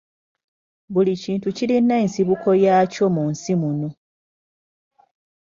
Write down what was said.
Buli kintu kirina ensibuko yakyo mu nsi muno.